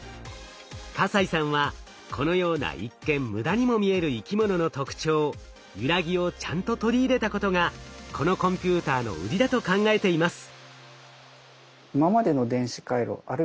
西さんはこのような一見無駄にも見える生き物の特徴ゆらぎをちゃんと取り入れたことがこのコンピューターの売りだと考えています。